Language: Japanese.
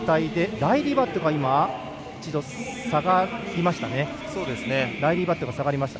ライリー・バットが一度下がりました。